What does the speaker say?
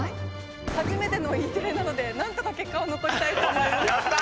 初めてのＥテレなのでなんとか結果を残したいと思います！